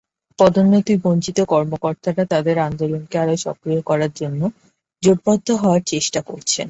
পদোন্নতিবঞ্চিত কর্মকর্তারা তাঁদের আন্দোলনকে আরও সক্রিয় করার জন্য জোটবদ্ধ হওয়ার চেষ্টা করছেন।